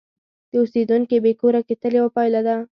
د اوسیدونکو بې کوره کېدل یوه پایله ده.